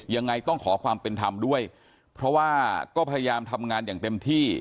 ยังไงต้องขอความเป็นธรรมด้วยเพราะว่าก็พยายามทำงานอย่างเต็มที่